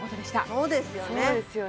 そうですよね